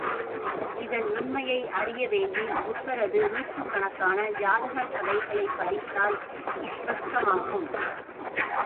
இதனுண்மையை அறிய வேண்டின் புத்தரது நூற்றுக்கணக்கான ஜாதகக் கதைகளைப் படித்தால் ஸ்பஷ்டமாகும்.